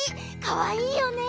かわいいよね。